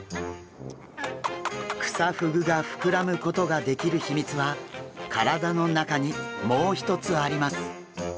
クサフグが膨らむことができる秘密は体の中にもう一つあります。